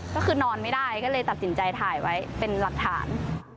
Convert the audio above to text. ก็คือนอนไม่ได้ก็เลยตัดสินใจถ่ายไว้เป็นหลักฐาน